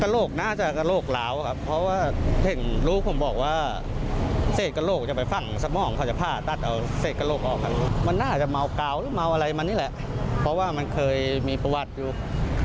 เรารู้จักคนที่ก่อเหตุไหมครับ